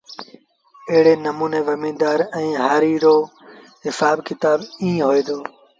ايڙي نموٚني زميݩدآر ائيٚݩ هآريٚ رو هسآب ڪتآب هوئي دو